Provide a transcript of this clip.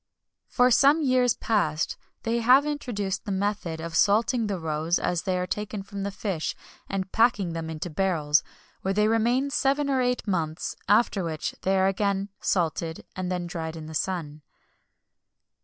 For some years past, they have introduced the method of salting the roes as they are taken from the fish, and packing them into barrels, where they remain seven or eight months; after which they are again salted, and then dried in the sun.